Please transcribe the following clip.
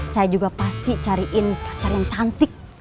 saya juga pasti cariin pacar yang cantik